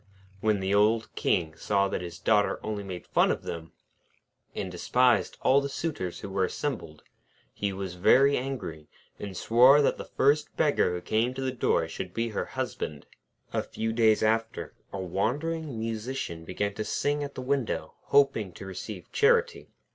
When the old King saw that his Daughter only made fun of them, and despised all the suitors who were assembled, he was very angry, and swore that the first beggar who came to the door should be her husband. A few days after, a wandering Musician began to sing at the window, hoping to receive charity.